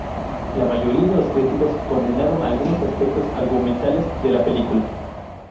La mayoría de los críticos condenaron algunos aspectos argumentales de la película.